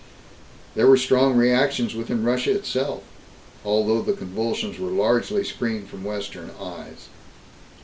There were strong reactions within Russia itself, although the convulsions were largely screened from Western eyes.